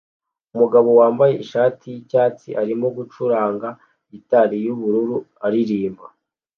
Umugabo wambaye ishati yicyatsi arimo gucuranga gitari yubururu aririmba